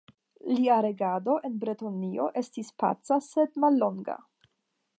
Lia regado en Bretonio estis paca sed mallonga.